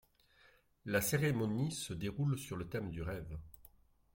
La cérémonie se déroule sur le thème du rêve.